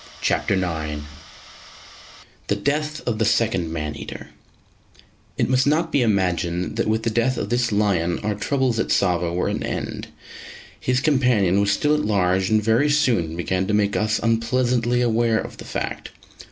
CHAPTER IX THE DEATH OF THE SECOND MAN EATER It must not be imagined that with the death of this lion our troubles at Tsavo were at an end; his companion was still at large, and very soon began to make us unpleasantly aware of the fact.